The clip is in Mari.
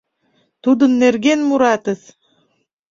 Тудын нерген муратыс!..